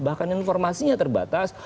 bahkan informasinya terbatas